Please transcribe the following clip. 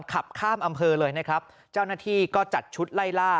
ขับข้ามอำเภอเลยนะครับเจ้าหน้าที่ก็จัดชุดไล่ล่า